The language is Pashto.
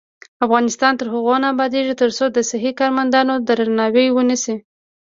افغانستان تر هغو نه ابادیږي، ترڅو د صحي کارمندانو درناوی ونشي.